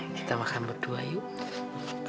kita makan berdua yuk